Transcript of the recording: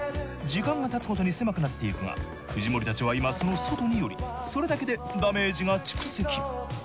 時間が経つごとに狭くなっていくが藤森たちは今その外におりそれだけでダメージが蓄積。